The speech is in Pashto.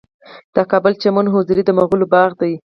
د کابل چمن حضوري د مغلو باغ دی